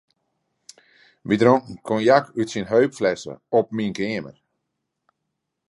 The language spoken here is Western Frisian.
We dronken konjak út syn heupflesse op myn keamer.